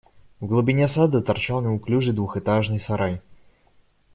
В глубине сада торчал неуклюжий двухэтажный сарай.